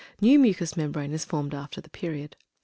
New mucus membrane is formed after the period.